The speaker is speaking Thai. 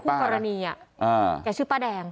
อ่าอ่าอ่าภารกิจชื่อป่าแดง